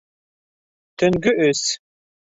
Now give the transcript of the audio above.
Төнгө өс.